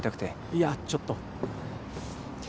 いやちょっと。